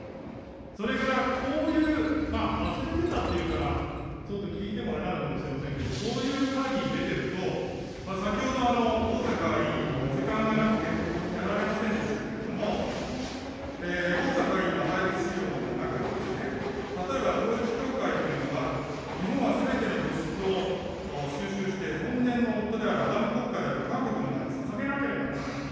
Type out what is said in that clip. それから、こういう、忘れてたというから、ちょっと聞いてもあれかもしれないですけれども、こういう会議に出てると、先ほど、逢坂委員は時間がなくてやられませんでしたけれども、逢坂委員の配布資料の中に、例えば統一教会というのが、日本はすべての物質を収集してほんねんのであるアダム国家である韓国の前にささげなければならない。